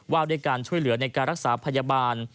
ว่าด้วยการช่วยเหลือในการรักษาพยาบาล